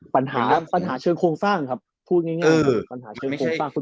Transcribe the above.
ปัญหาเชิงโครงสร้างครับพูดง่าย